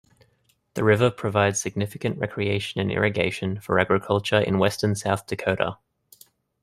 The river provides significant recreation and irrigation for agriculture in western South Dakota.